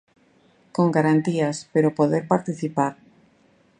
Con garantías, pero poder participar.